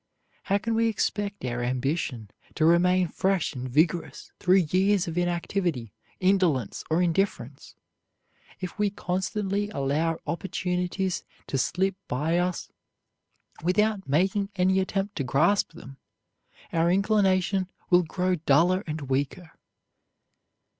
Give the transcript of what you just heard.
How can we expect our ambition to remain fresh and vigorous through years of inactivity, indolence, or indifference? If we constantly allow opportunities to slip by us without making any attempt to grasp them, our inclination will grow duller and weaker.